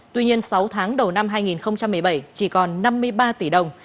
tuy nhiên sáu tháng đầu năm hai nghìn một mươi bảy chỉ còn năm mươi ba tỷ đồng